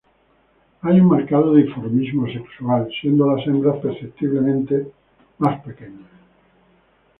Hay un marcado dimorfismo sexual, siendo las hembras perceptiblemente más pequeñas.